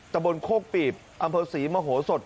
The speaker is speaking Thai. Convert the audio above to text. ตะบนโคกปีบอำเภอศรีมโหสด